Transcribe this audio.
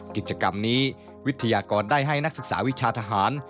กิจกรรมนี้วิทยากรได้ให้นักศึกษาวิชาทหาร